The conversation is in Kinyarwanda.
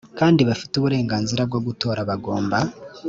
kandi bafite uburenganzira bwo gutora bagomba